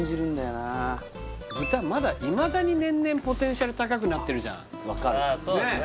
まだいまだに年々ポテンシャル高くなってるじゃん分かるそうですね